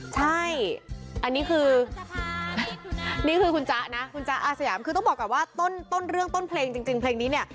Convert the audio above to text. ใช่อันนี้คือนี่คือคุณจ๊ะนะคุณจ๊ะอาสยามคือต้องบอกก่อนว่าต้นเรื่องต้นเพลงจริงเพลงนี้เนี่ย